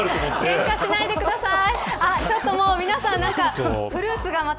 けんかしないでください。